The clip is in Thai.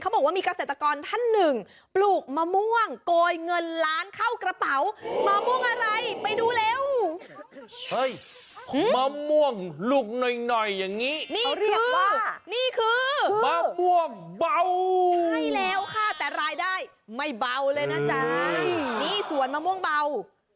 เขาบอกว่ามีเกษตรกรท่านหนึ่งปลูกมะม่วงโกยเงินล้านบาทเข้ากระเป๋า